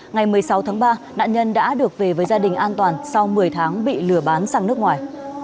ngày một mươi sáu tháng ba nạn nhân đã được về với gia đình an toàn sau một mươi tháng bị lừa bán sang nước ngoài